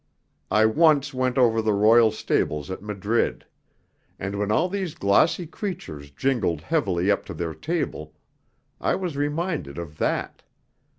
I once went over the royal stables at Madrid. And when all these glossy creatures jingled heavily up to their table I was reminded of that.